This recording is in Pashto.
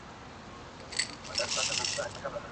آیا تاسو کله د هغوی د خلافت د نظام په اړه فکر کړی دی؟